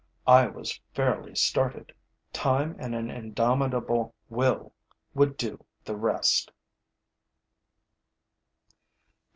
I was fairly started. Time and an indomitable will would do the rest.